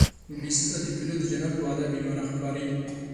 بیزو ته د کیلو د جنت وعده بېمعنی ښکاري.